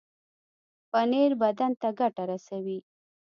پنېر بدن ته ګټه رسوي.